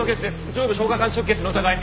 上部消化管出血の疑い。